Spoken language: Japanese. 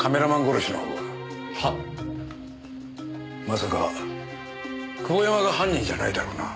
まさか久保山が犯人じゃないだろうな。